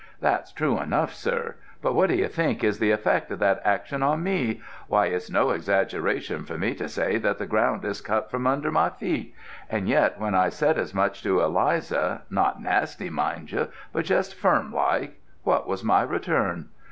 That's true enough, sir, but what do you think is the effect of that action on me? Why it's no exaggeration for me to say that the ground is cut from under my feet. And yet when I said as much to Eliza, not nasty, mind you, but just firm like, what was my return?